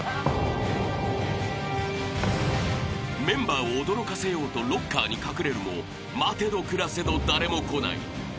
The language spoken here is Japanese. ［メンバーを驚かせようとロッカーに隠れるも待てど暮らせど誰も来ない］